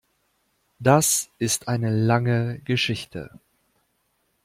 Das ist eine lange Geschichte.